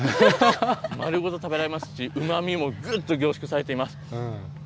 丸ごと食べられますし、うまみもぐっと凝縮されています。